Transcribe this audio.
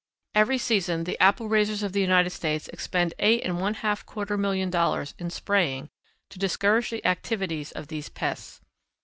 Every season the apple raisers of the United States expend eight and one quarter million dollars in spraying, to discourage the activities of these pests.